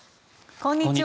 こんにちは。